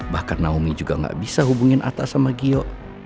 bahkan naomi juga gak bisa hubungin atta sama gio